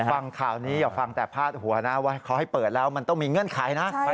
ฟังข่าวนี้อย่าฟังแต่พาดหัวนะว่าเขาให้เปิดแล้วมันต้องมีเงื่อนไขนะ